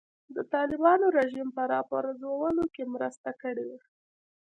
د طالبانو رژیم په راپرځولو کې مرسته کړې وه.